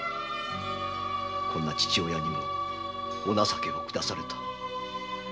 このような父親にもお情けをくだされた。